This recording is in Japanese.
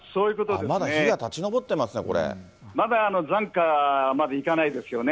まだ火が立ち上ってますね、まだ、残火までいかないですよね。